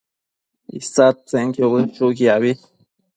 isadtsenquio bëshuquiabi